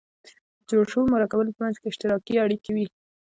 د جوړو شوو مرکبونو په منځ کې اشتراکي اړیکې وي.